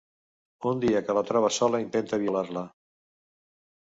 Un dia que la troba sola intenta violar-la.